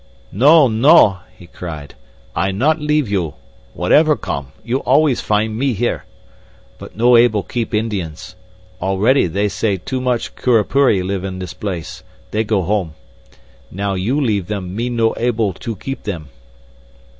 "No no!" he cried. "I not leave you. Whatever come, you always find me here. But no able to keep Indians. Already they say too much Curupuri live on this place, and they go home. Now you leave them me no able to keep them."